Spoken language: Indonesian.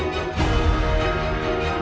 tante itu sudah berubah